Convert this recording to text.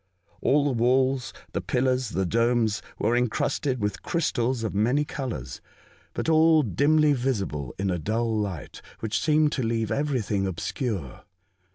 All the walls, the pillars, the 136 A Voyage to Other Worlds, domes were encrusted with crystals of many colours, but all dimly visible in a dull liglit, whicli seemed to leave everything obscure.